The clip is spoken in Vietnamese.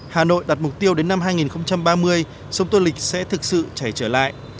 hà nội đặt mục tiêu đến năm hai nghìn ba mươi sông tô lịch sẽ thực sự chảy trở lại